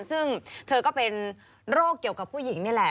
ซึ่งเธอก็เป็นโรคเกี่ยวกับผู้หญิงนี่แหละ